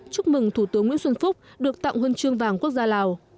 chúc mừng thủ tướng nguyễn xuân phúc được tặng huân chương vàng quốc gia lào